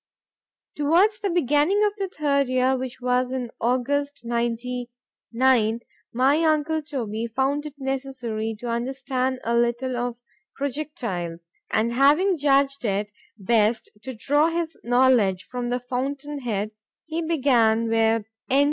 Towards the beginning of the third year, which was in August, ninety nine, my uncle Toby found it necessary to understand a little of projectiles:—and having judged it best to draw his knowledge from the fountain head, he began with _N.